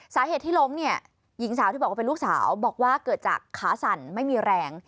สาเหตุที่ล้มเนี่ยหญิงสาวที่บอกว่าเป็นลูกสาวบอกว่าเกิดจากขาสั่นไม่มีแรง